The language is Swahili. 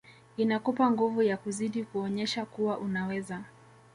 Inakupa nguvu ya kuzidi kuonyesha kuwa unaweza